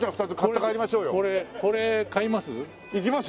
これ買います？